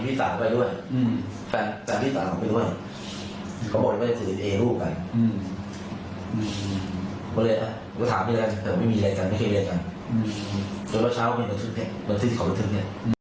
จบเช้ากนค้าเพื่อทำเทำเดิน